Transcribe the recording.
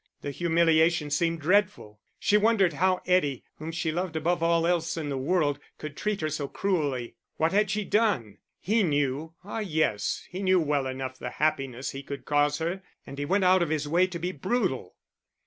The humiliation seemed dreadful. She wondered how Eddie, whom she loved above all else in the world, could treat her so cruelly. What had she done? He knew ah, yes, he knew well enough the happiness he could cause her and he went out of his way to be brutal.